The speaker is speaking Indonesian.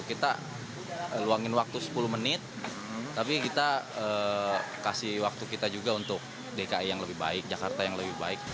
kita luangin waktu sepuluh menit tapi kita kasih waktu kita juga untuk dki yang lebih baik jakarta yang lebih baik